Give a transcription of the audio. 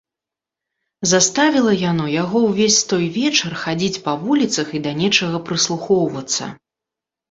Заставіла яно яго ўвесь той вечар хадзіць па вуліцах і да нечага прыслухоўвацца.